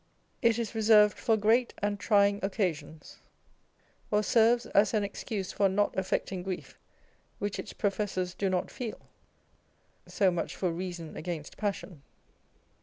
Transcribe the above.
It is reserved for great and trying occasions ; or serves as an excuse for not affecting grief which its professors do not feel. So much for reason against passion.